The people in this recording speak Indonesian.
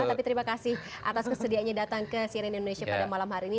tapi terima kasih atas kesediaannya datang ke cnn indonesia pada malam hari ini